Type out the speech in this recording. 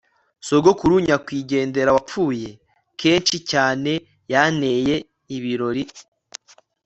sogokuru nyakwigendera wapfuye, kenshi cyane, yanteye ibirori